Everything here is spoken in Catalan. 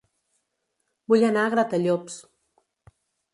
Vull anar a Gratallops